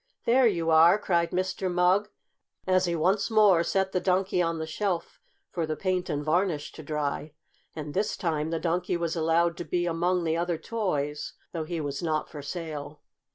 "There you are!" cried Mr. Mugg, as he once more set the Donkey on the shelf for the paint and varnish to dry. And this time the Donkey was allowed to be among the other toys, though he was not for sale.